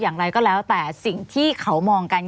อย่างไรก็แล้วแต่สิ่งที่เขามองกัน